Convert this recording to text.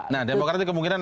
nah demokrat itu kemungkinan